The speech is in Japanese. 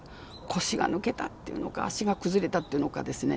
腰が抜けたっていうのか足が崩れたっていうのかですね